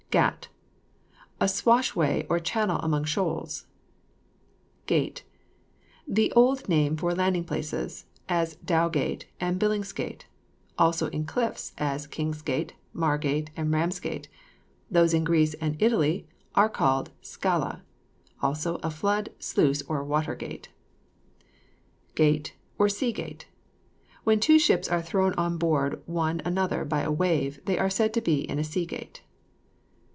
GAT. A swashway, or channel amongst shoals. GATE. The old name for landing places, as Dowgate and Billingsgate; also in cliffs, as Kingsgate, Margate, and Ramsgate; those in Greece and in Italy are called scala. Also, a flood, sluice, or water gate. GATE, OR SEA GATE. When two ships are thrown on board one another by a wave, they are said to be in a sea gate.